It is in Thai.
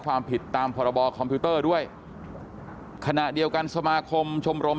ความผิดตามพรบคอมพิวเตอร์ด้วยขณะเดียวกันสมาคมชมรม